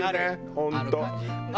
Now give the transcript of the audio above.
本当。